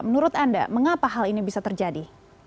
menurut anda mengapa hal ini bisa terjadi